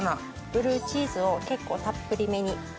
ブルーチーズを結構たっぷりめに。